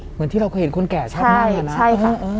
เหมือนที่เราก็เห็นคนแก่ชาตินั่งอยู่นะ